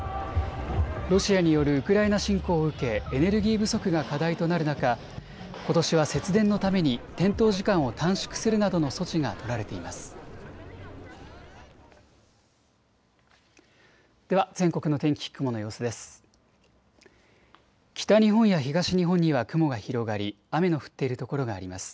ロシアによるウクライナ侵攻を受けエネルギー不足が課題となる中、ことしは節電のために点灯時間を短縮するなどの措置が取られています。